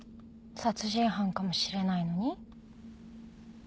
殺人犯かもしれないのに？